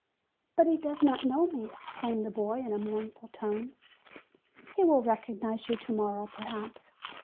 "But he does not know me!" exclaimed the boy in a mournful tone. "He will recognize you to morrow, perhaps.